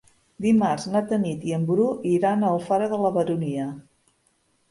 Dimarts na Tanit i en Bru iran a Alfara de la Baronia.